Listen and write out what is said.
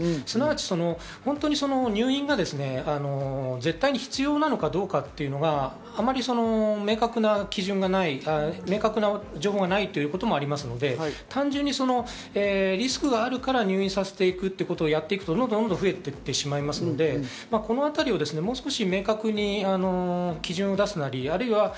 すなわち本当に入院が絶対に必要なのかどうかというのがあまり明確な基準がない、明確な情報がないというのもありますので、単純にリスクがあるから入院させるということやっていくと、どんどん増えていってしまいますので、このあたりをもう少し明確に基準を出すなり或いは